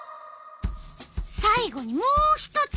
さい後にもう一つ。